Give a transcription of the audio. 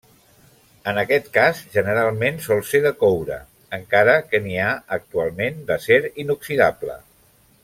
En aquest cas, generalment sol ser de coure, encara que n'hi ha actualment d'acer inoxidable.